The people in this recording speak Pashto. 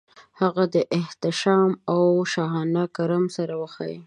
هغه د احتشام او شاهانه کرم سره وښايي.